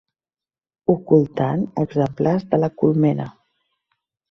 Ocultant exemplars de La Colmena.